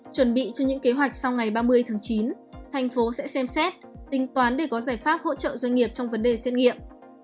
chuẩn bị cho những kế hoạch sau ngày ba mươi tháng chín thành phố sẽ xem xét tính toán để có giải pháp hỗ trợ doanh nghiệp trong vấn đề xét nghiệm